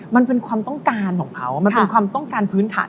มันเป็นความต้องการของเขามันเป็นความต้องการพื้นฐาน